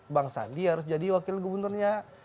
bang sandi harus jadi wakil gubernurnya